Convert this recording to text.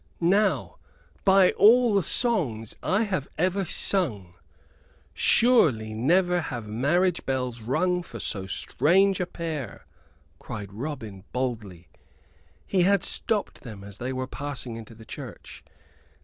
"Now by all the songs I have ever sung, surely never have marriage bells rung for so strange a pair!" cried Robin, boldly. He had stopped them as they were passing into the church.